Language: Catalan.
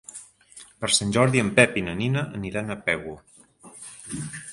Per Sant Jordi en Pep i na Nina aniran a Pego.